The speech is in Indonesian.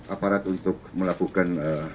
aparat untuk melakukan